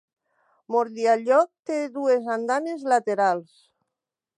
Mordialloc té dues andanes laterals.